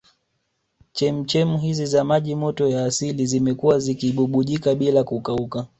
Chemchem hizi za maji moto ya asili zimekuwa zikibubujika bila kukauka